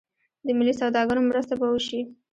د ملي سوداګرو مرسته به وشي.